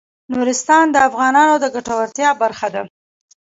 نورستان د افغانانو د ګټورتیا برخه ده.